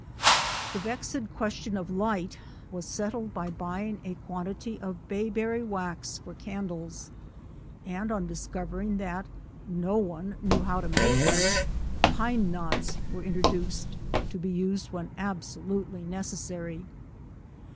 The vexed question of light was settled by \ buying a quantity of bayberry wax for candles; ; and, on discovering that no one knew how to i make them, pine knots were introduced, to be used when absolutely necessary.